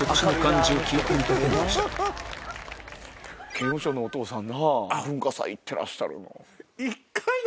刑務所のお父さんな文化祭行ってらっしゃるの。